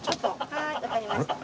はいわかりました。